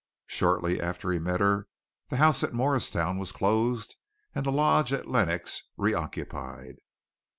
Shortly after he met her the house at Morristown was closed and the lodge at Lenox re occupied.